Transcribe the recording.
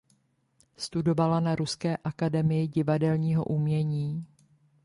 Studovala na Ruské akademii divadelního umění.